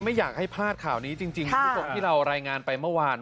ไม่อยากให้พลาดข่าวนี้จริงคุณผู้ชมที่เรารายงานไปเมื่อวาน